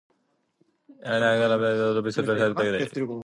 Hatfield grew up in the Boston suburb of Duxbury.